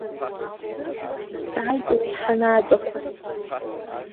Дҵааит уи ҳанаатәақәа.